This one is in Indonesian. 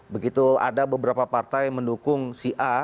begitu ada beberapa partai mendukung si a